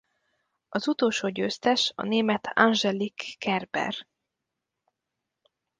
Az utolsó győztes a német Angelique Kerber.